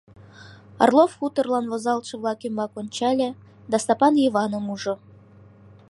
Орлов хуторлан возалтше-влак ӱмбак ончале да Стапан Йываным ужо.